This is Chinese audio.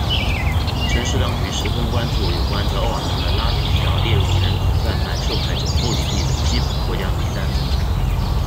城市当局十分关注有关德瓦伦的拉皮条列入人口贩卖受害者目的地的基本国家名单中。